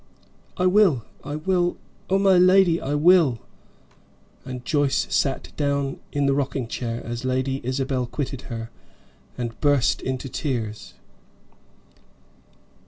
"I will, I will oh my lady, I will!" And Joyce sat down in the rocking chair as Lady Isabel quitted her, and burst into tears.